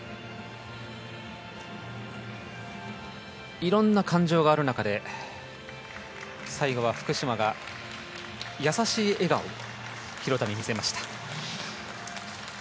いろんな感情がある中で最後は福島が優しい笑顔を廣田に見せました。